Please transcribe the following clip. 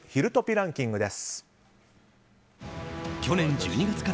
ランキングです。